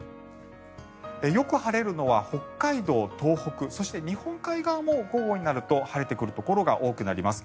よく晴れるのは北海道、東北そして日本海側も午後になると晴れてくるところが多くなります。